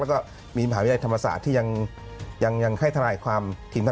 แล้วก็มีมหาวิทยาลัยธรรมศาสตร์ที่ยังให้ทนายความทีมท่าน